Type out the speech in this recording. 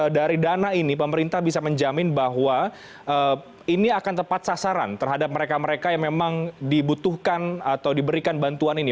dari dana ini pemerintah bisa menjamin bahwa ini akan tepat sasaran terhadap mereka mereka yang memang dibutuhkan atau diberikan bantuan ini